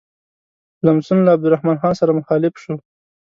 لمسون له عبدالرحمن خان سره مخالف شو.